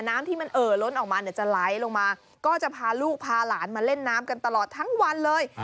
น้ำที่มันเอ่อล้นออกมาเนี่ยจะไหลลงมาก็จะพาลูกพาหลานมาเล่นน้ำกันตลอดทั้งวันเลย